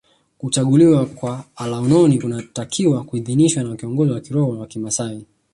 Kuchaguliwa kwa alaunoni kunatakiwa kuidhinishwe na kiongozi wa kiroho wa kimaasai